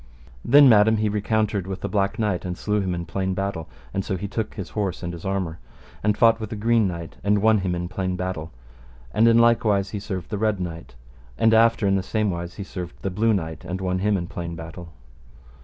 Then, madam, he recountered with the Black Knight, and slew him in plain battle, and so he took his horse and his armour and fought with the Green Knight and won him in plain battle, and in like wise he served the Red Knight, and after in the same wise he served the Blue Knight and won him in plain battle.